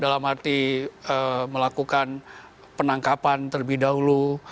dalam arti melakukan penangkapan terlebih dahulu